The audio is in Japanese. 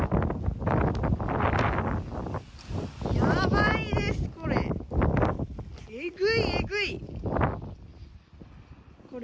やばいです、これ。